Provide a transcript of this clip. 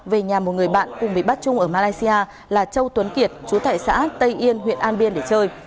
về nhà một người bạn cùng bị bắt trung ở malaysia là châu tuấn kiệt chú tại xã tây yên huyện an biên để chơi